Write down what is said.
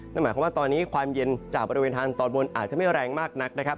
นั่นหมายความว่าตอนนี้ความเย็นจากบริเวณทางตอนบนอาจจะไม่แรงมากนักนะครับ